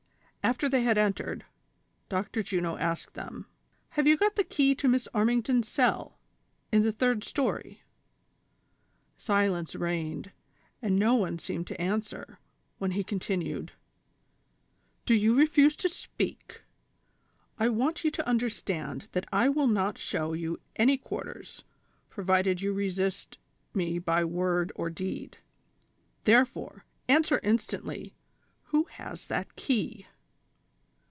After they had entered. Dr. Juno asked them :" Have you got the key to Miss Armington's cell, in the third story V " Silence reigned, and no one seemed to answer, when he continued : "Do you refuse to speak? I want you to understand that I will not show you any quarters, provided you resist me by word or deed ; therefore, answer instantly, who has that key?"